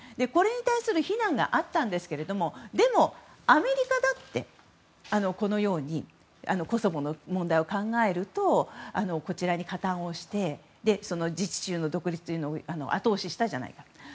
これに対する非難があったんですがでも、アメリカだってこのようにコソボの問題を考えるとこちらに加担をして自治州の独立を後押ししたんじゃないかと。